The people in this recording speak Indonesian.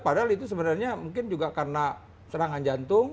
padahal itu sebenarnya mungkin juga karena serangan jantung